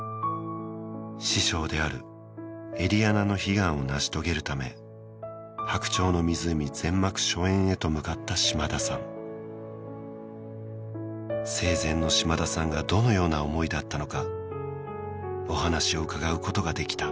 師匠であるエリェナの悲願を成し遂げるため「白鳥の湖」全幕初演へと向かった島田さん生前の島田さんがどのような思いだったのかお話を伺うことができた